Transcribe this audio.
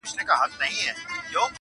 لکه کوچۍ پر ګودر مسته جګه غاړه ونه،